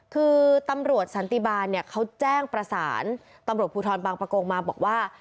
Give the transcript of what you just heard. คือตำรวจสันติบาลเนี่ยเขาแจ้งประสานตำรวจภูทรบางประกงมาบอกว่า